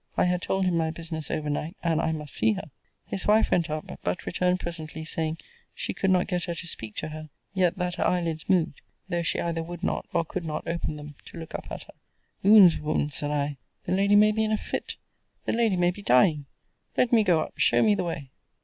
I had told him my business over night, and I must see her. His wife went up: but returned presently, saying, she could not get her to speak to her; yet that her eyelids moved; though she either would not, or could not, open them, to look up at her. Oons, woman, said I, the lady may be in a fit: the lady may be dying let me go up. Show me the way.